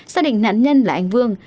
xác định nạn nhân là anh vương